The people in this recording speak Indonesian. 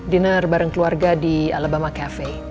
dinner bareng keluarga di alabama cafe